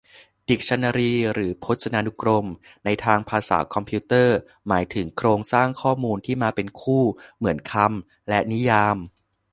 ดิกชันนารีหรือพจนานุกรม ในทางภาษาคอมพิวเตอร์ หมายถึงโครงสร้างข้อมูลที่มาเป็นคู่ เหมือนคำและนิยาม